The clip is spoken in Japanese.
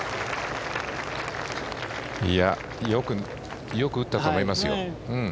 よく打ったと思いますよ。